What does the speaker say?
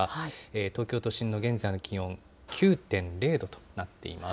東京都心の現在の気温９．０度となっています。